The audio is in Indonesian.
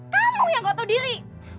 kamu yang gak tahu diri